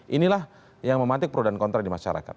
inilah yang mematik pro dan kontra di masyarakat